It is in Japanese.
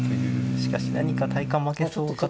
しかし何か第一感負けそうかと。